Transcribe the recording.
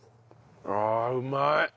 ああうまい！